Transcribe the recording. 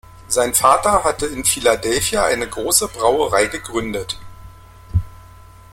Sein Vater hatte in Philadelphia eine große Brauerei gegründet.